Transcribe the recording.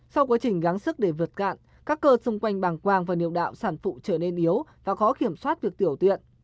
sau quá trình gắng sức để vượt cạn các cơ xung quanh bàng quang và niệu đạo sản phụ trở nên yếu và khó kiểm soát việc tiểu tuyện